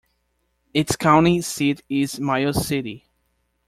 Its county seat is Miles City.